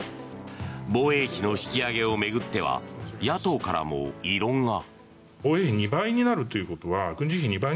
防衛費の引き上げを巡っては野党からも異論が。